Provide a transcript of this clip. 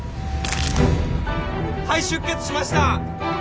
肺出血しました！